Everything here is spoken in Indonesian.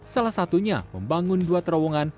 salah satunya membangun dua terowongan